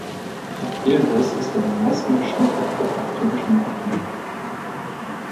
Ilves ist der am meisten geschmückte Klub im finnischen Hockey.